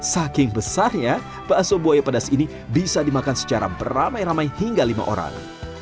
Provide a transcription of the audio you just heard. saking besarnya bakso buaya pedas ini bisa dimakan secara beramai ramai hingga lima orang